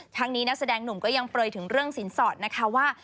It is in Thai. ทั้งนี้นักแสดงหนุ่มก็ยังเปลยถึงเรื่องสินสอดนะคะว่า